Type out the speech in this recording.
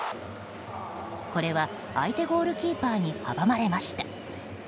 これは相手ゴールキーパーに阻まれました。